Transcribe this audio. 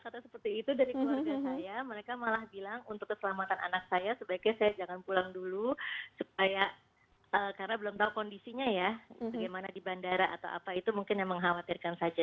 kata seperti itu dari keluarga saya mereka malah bilang untuk keselamatan anak saya sebaiknya saya jangan pulang dulu supaya karena belum tahu kondisinya ya bagaimana di bandara atau apa itu mungkin yang mengkhawatirkan saja